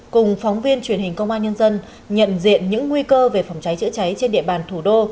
cùng phóng viên truyền hình công an nhân dân nhận diện những nguy cơ về phòng cháy chữa cháy trên địa bàn thủ đô